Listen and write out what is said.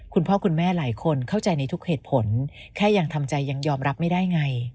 คุณพ่อคุณแม่หลายคนเข้าใจในทุกเหตุผลแค่ยังทำใจยังยอมรับไม่ได้ไง